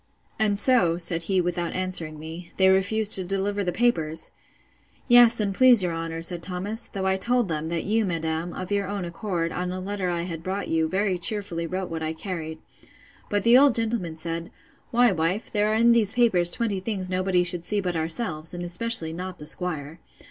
And so (said he, without answering me,) they refused to deliver the papers? Yes, and please your honour, said Thomas, though I told them, that you, madam, of your own accord, on a letter I had brought you, very cheerfully wrote what I carried: But the old gentleman said, Why, wife, there are in these papers twenty things nobody should see but ourselves, and especially not the 'squire.